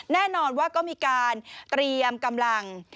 แน่นอนว่าก็มีการเตรียมกำลัง